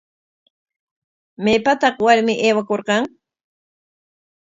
¿Maypataq warmi aywakurqan?